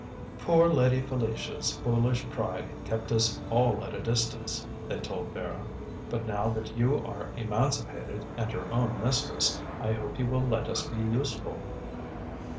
"Poor Lady Felicia's foolish pride kept us all at a distance," they told Vera; "but now that you are emancipated, and your own mistress, I hope you will let us be useful."